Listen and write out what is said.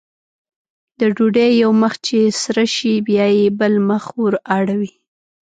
د ډوډۍ یو مخ چې سره شي بیا یې بل مخ ور اړوي.